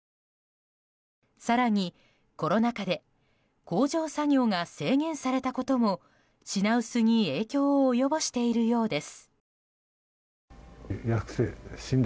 更に、コロナ禍で工場作業が制限されたことも品薄に影響を及ぼしているようです。